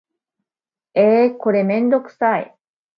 えーこれめんどくさい